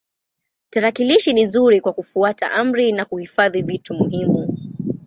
Tarakilishi ni nzuri kwa kufuata amri na kuhifadhi vitu muhimu.